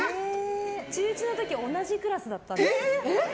中１の時同じクラスだったんです。